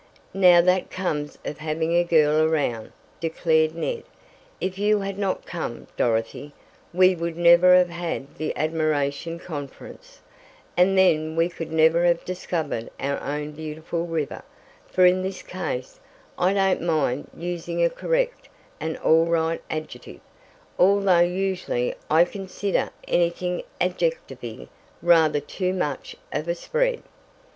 "Now that comes of having a girl around," declared Ned. "If you had not come, Dorothy, we would never have had that admiration conference, and then we could never have discovered our own beautiful river, for in this case, I don't mind using a correct, and all right adjective, although usually I consider anything adjectivey rather too much of a spread."